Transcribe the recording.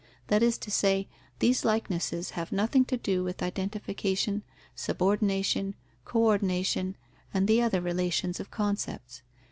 That is to say, these likenesses have nothing to do with identification, subordination, co ordination, and the other relations of concepts.